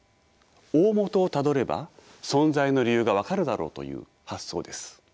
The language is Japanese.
大本をたどれば存在の理由が分かるだろうという発想です。